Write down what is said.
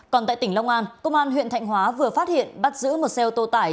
còn tại tỉnh long an công an huyện thạnh hóa vừa phát hiện bắt giữ một xe ô tô tải